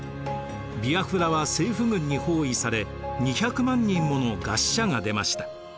ビアフラは政府軍に包囲され２００万人もの餓死者が出ました。